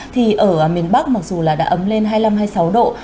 thì ở miền bắc mặc dù là đã ấm lên hai mươi năm hai mươi sáu độ